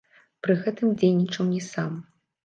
Пры гэтым дзейнічаў не сам.